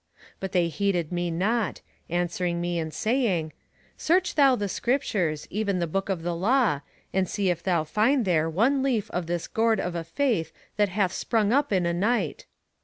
But they heeded me not, answering me and saying: Search thou the Scriptures, even the Book of the Law, and see if thou find there one leaf of this gourd of a faith that hath sprung up in a night.